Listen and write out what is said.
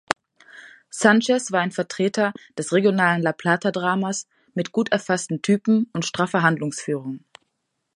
Sanchez war ein Vertreter des regionalen La-Plata-Dramas mit gut erfassten Typen und straffer Handlungsführung.